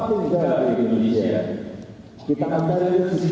sehingga kita berhutang